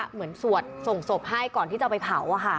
เหมือนสวดส่งศพให้ก่อนที่จะไปเผาค่ะ